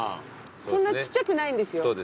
そんなちっちゃくないんですよ